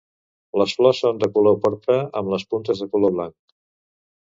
Les flors són de color porpra amb les puntes de color blanc.